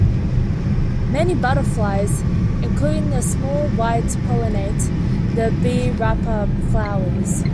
Many butterflies, including the small white, pollinate the "B. rapa" flowers.